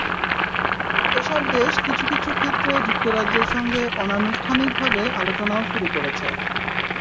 এসব দেশ কিছু কিছু ক্ষেত্রে যুক্তরাজ্যের সঙ্গে অনানুষ্ঠানিকভাবে আলোচনাও শুরু করেছে।